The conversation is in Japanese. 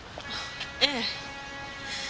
ええ。